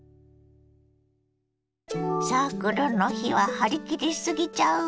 サークルの日は張り切り過ぎちゃうわね。